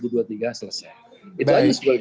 itu aja sebenarnya